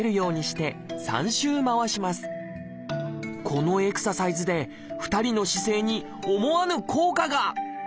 このエクササイズで２人の姿勢に思わぬ効果が！